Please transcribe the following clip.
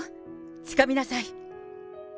つかみなさい。